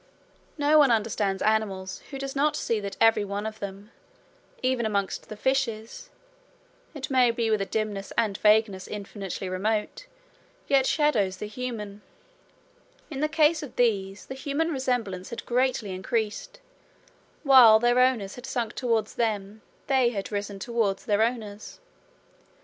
No one understands animals who does not see that every one of them, even amongst the fishes, it may be with a dimness and vagueness infinitely remote, yet shadows the human: in the case of these the human resemblance had greatly increased: while their owners had sunk towards them, they had risen towards their owners.